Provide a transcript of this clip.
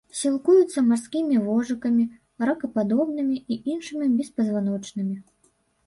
Сілкуецца марскімі вожыкамі, ракападобнымі і іншымі беспазваночнымі.